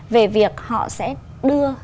về việc họ sẽ đưa